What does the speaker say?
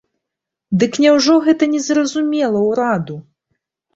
Дык няўжо гэта не зразумела ўраду?